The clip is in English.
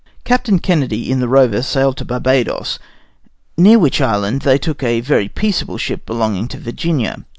Captain Kennedy, in the Rover, sailed to Barbadoes, near which island they took a very peaceable ship belonging to Virginia.